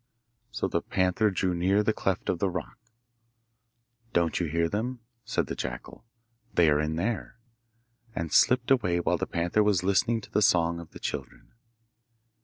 So the panther drew near the cleft of the rock. 'Don't you hear them?' said the jackal; 'they are in there,' and slipped away while the panther was listening to the song of the children.